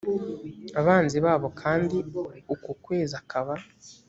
abanzi babo kandi uko kwezi akaba